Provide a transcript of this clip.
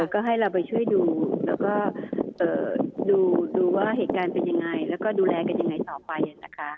ก็ให้เราไปช่วยดูแล้วก็ดูว่าเหตุการณ์เป็นยังไงแล้วก็ดูแลกันยังไงต่อไปนะคะ